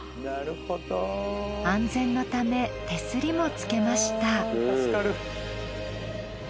安全のため手すりもつけました。